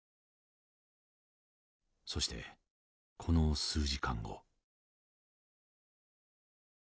そしてこの数時間後。